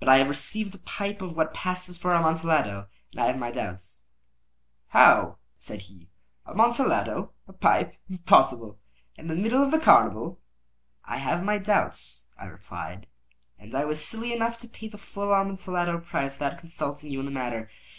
But I have received a pipe of what passes for Amontillado, and I have my doubts." "How?" said he. "Amontillado? A pipe? Impossible! And in the middle of the carnival!" "I have my doubts," I replied; "and I was silly enough to pay the full Amontillado price without consulting you in the matter.